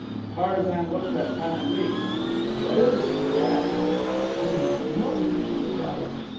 Tarzan looked at Pan at lee. "What is it?" he asked. "I do not know," she replied.